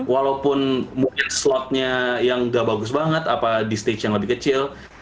walaupun mungkin slotnya yang gak bagus banget apa di stage yang lebih kecil